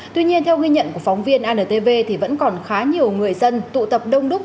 tuy nhiên theo ghi nhận của phóng viên antv thì vẫn còn khá nhiều người dân tụ tập đông đúc